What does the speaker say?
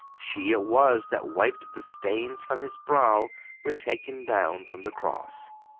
She it was that wiped the stains from His brow when taken down from the cross.